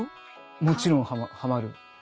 もちろんハマる。